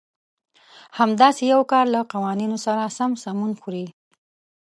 همداسې يو کار له قوانينو سره هم سمون خوري.